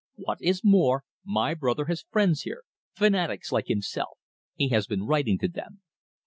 What is more, my brother has friends here, fanatics like himself. He has been writing to them.